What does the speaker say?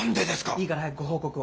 いいから早くご報告を。